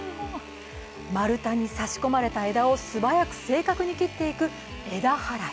丸太に差し込まれた枝を素早く正確に切っていく枝払い